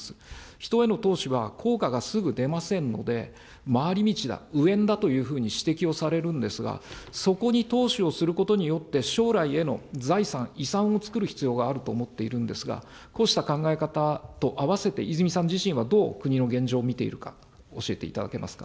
人への投資は効果がすぐ出ませんので、回り道だ、迂遠だというふうに指摘をされるんですが、そこに投資をすることによって、将来への財産、遺産をつくる必要があると思っているんですが、こうした考え方と合わせて、泉さん自身はどう国の現状を見ているか、教えていただけますか。